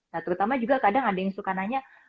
nah terutama juga kadang ada yang suka nanya